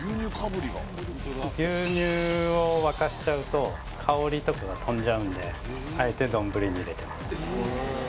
牛乳を沸かしちゃうと香りとかが飛んじゃうんであえて丼に入れてます